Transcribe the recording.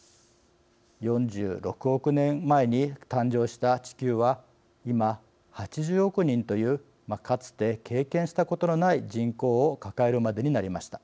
４６億年前に誕生した地球は今８０億人というかつて経験したことのない人口を抱えるまでになりました。